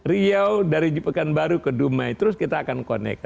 riau dari jepang baru ke dumai terus kita akan connect